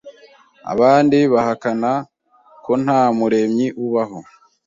Abandi bahakana ko nta Muremyi ubaho